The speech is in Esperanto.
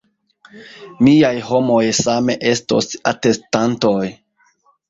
Miaj homoj same estos atestantoj.